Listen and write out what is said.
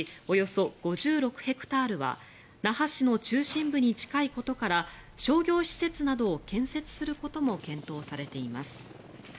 およそ５６ヘクタールは那覇市の中心部に近いことから商業施設などを建設することも検討されています。